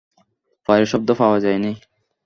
পায়ের শব্দ পাওয়া যায় নি।